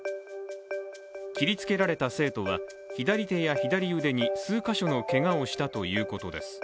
切りつけられた生徒は左手や左腕に数か所のけがをしたということです。